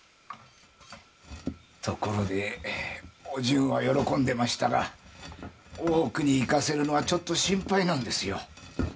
ところでお順は喜んでましたが大奥に行かせるのはちょっと心配なんですよ。